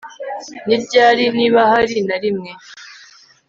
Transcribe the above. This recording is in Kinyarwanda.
ni ryari, niba hari na rimwe